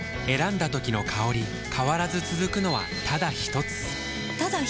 選んだ時の香り変わらず続くのはただひとつ？